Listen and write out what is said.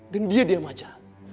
dan dia diam aja